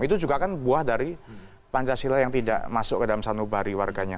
itu juga kan buah dari pancasila yang tidak masuk ke dalam sanubari warganya